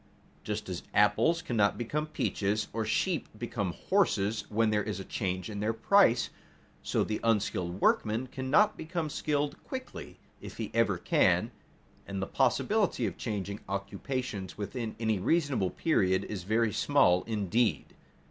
Just as apples cannot become peaches or sheep become horses when there is a change in their price, so the unskilled workman cannot become skilled quickly, if he ever can, and the possibility of changing occupations within any reasonable period is very small indeed.